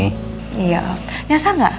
aduh makasih ya udah undang om dateng di sini